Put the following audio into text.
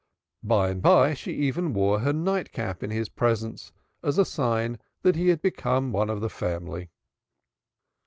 By and by she even wore her night cap in his presence as a sign that he had become one of the family.